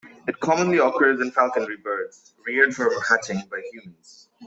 It commonly occurs in falconry birds reared from hatching by humans.